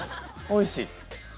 おいしい？